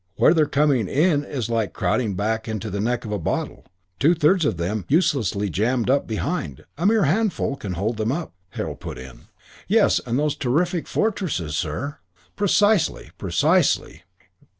Where they're coming in is like crowding into the neck of a bottle. Two thirds of them uselessly jammed up behind. A mere handful can hold them up " Harold put in, "Yes, and those terrific fortresses, sir." "Precisely. Precisely.